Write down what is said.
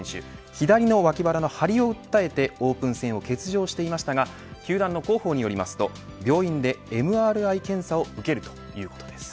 左の脇腹の張りを訴えてオープン戦を欠場していましたが球団の広報によりますと病院でＭＲＩ検査を受けるということです。